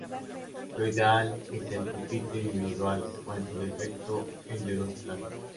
Lo ideal es el pupitre individual o en su defecto, el de dos plazas.